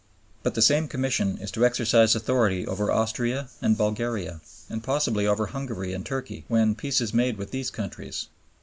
But the same Commission is to exercise authority over Austria and Bulgaria, and possibly over Hungary and Turkey, when Peace is made with these countries.